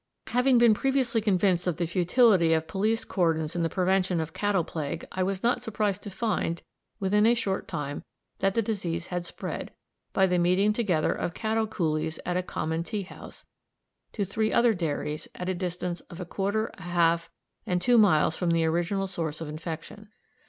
Having been previously convinced of the futility of police cordons in the prevention of cattle plague, I was not surprised to find, within a short time, that the disease had spread, by the meeting together of cattle coolies at a common tea house, to three other dairies at a distance of a quarter, a half, and two miles from the original source of infection.